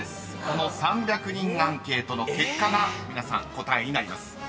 ［この３００人アンケートの結果が皆さん答えになります］